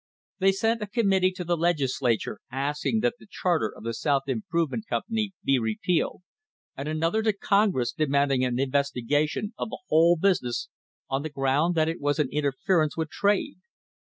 They sent a committee to the Legislature asking that the char ter of the South Improvement Company be repealed, and another to Congress demanding an investigation of the whole business on the ground that it was an interference with trade.